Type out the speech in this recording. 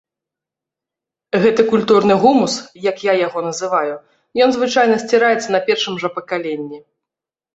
Гэты культурны гумус, як я яго называю, ён звычайна сціраецца на першым жа пакаленні.